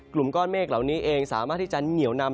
กลุ่มก้อนเมฆเหล่านี้เองสามารถที่จะเหนียวนำ